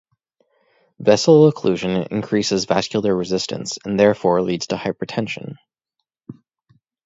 Vessel occlusion increases vascular resistance and therefore leads to hypertension.